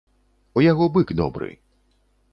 У яго бык добры.